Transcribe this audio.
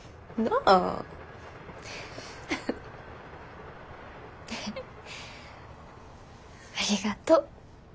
ありがとう。